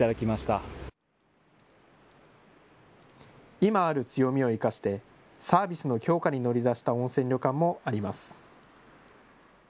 今ある強みを生かしてサービスの強化に乗り出した温泉旅館もあります。